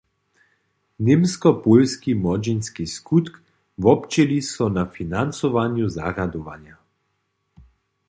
Němsko-pólski młodźinski skutk wobdźěli so na financowanju zarjadowanja.